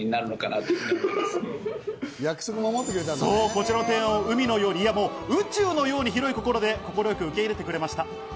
こちらの提案を海のように、いや、宇宙のように広い心で快く受け入れてくれました。